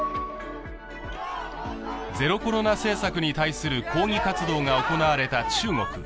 ゼロコロナ政策に対する抗議活動が行われた中国。